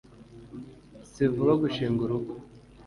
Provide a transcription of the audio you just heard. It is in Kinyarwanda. si vuba gushinga urugo